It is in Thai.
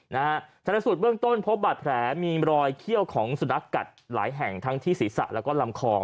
ชนะสูตรเบื้องต้นพบบาดแผลมีรอยเขี้ยวของสุนัขกัดหลายแห่งทั้งที่ศีรษะแล้วก็ลำคอง